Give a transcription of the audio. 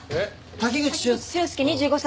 滝口駿介２５歳。